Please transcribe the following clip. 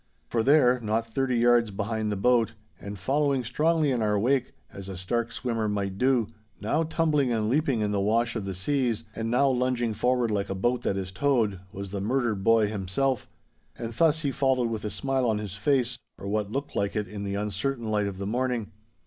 'For there, not thirty yards behind the boat, and following strongly in our wake, as a stark swimmer might do, now tumbling and leaping in the wash of the seas and now lunging forward like a boat that is towed, was the murdered boy himself. And thus he followed with a smile on his face, or what looked like it in the uncertain light of the morning.